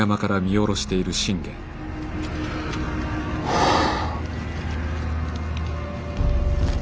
はあ。